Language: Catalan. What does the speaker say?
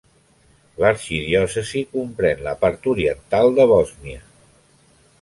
L'arxidiòcesi comprèn la part oriental de Bòsnia.